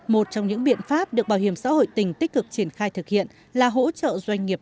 một trong những biện pháp được bảo hiểm xã hội tỉnh tích cực triển khai thực hiện là hỗ trợ doanh nghiệp